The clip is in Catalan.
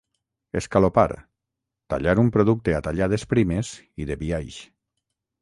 escalopar: tallar un producte a tallades primes i de biaix